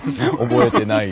覚えてない。